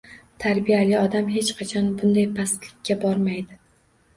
Tarbiyali odam hech qachon bunday pastlikka bormaydi